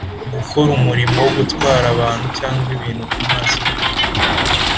gukora umurimo wo gutwara abantu cyangwa ibintu ku mazi y’ u rwanda